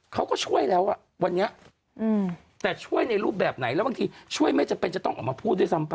เขาก็ช่วยแล้วอ่ะวันนี้แต่ช่วยในรูปแบบไหนแล้วบางทีช่วยไม่จำเป็นจะต้องออกมาพูดด้วยซ้ำไป